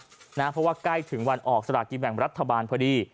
เพราะว่าใกล้ถึงวันออกสลากินแบ่งรัฐบาลพอดี